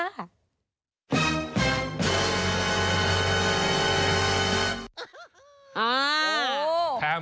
อ่า